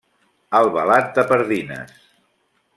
Albalat de Pardines.